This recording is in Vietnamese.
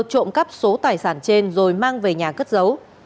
trộm cắp số tài sản trên rồi mang về nhà cất giấu